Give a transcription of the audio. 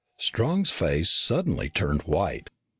Strong's face suddenly turned white.